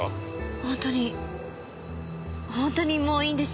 本当に本当にもういいんです。